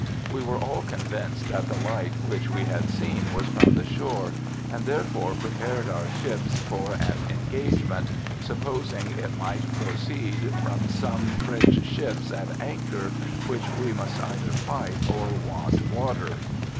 We were all convinced that the light which we had seen was from the shore, and therefore prepared our ships for an engagement, supposing it might proceed from some French ships at anchor, which we must either fight or want water.